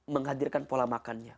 menghadirkan pola makannya